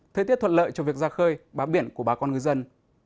thời tiết thuận lợi cho việc ra khơi bám biển của bà con ngư dân